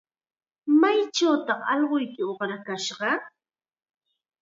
¿Maychawtaq allquyki uqrakashqa?